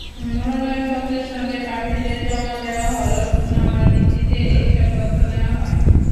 মনোনয়নপত্রের সঙ্গে প্রার্থীদের জমা দেওয়া হলফনামার ভিত্তিতে এসব তথ্য নেওয়া হয়।